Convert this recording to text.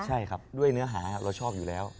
ใช่ครับด้วยเนื้อหาเราชอบอยู่แล้ว